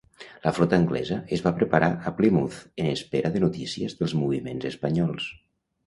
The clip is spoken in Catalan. La flota anglesa es va preparar a Plymouth en espera de notícies dels moviments espanyols.